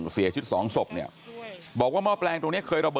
สวยชีวิตทั้งคู่ก็ออกมาไม่ได้อีกเลยครับ